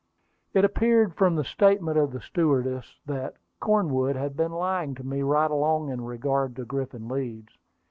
It appeared from the statement of the stewardess that Cornwood had been lying to me right along in regard to Griffin Leeds.